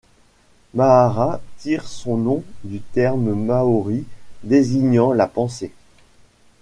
Mahara tire son nom du terme maori désignant la pensée.